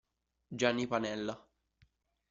Gianni Panella